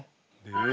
え！